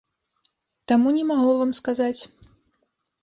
Таму не магу вам сказаць.